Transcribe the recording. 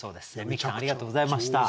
みきさんありがとうございました。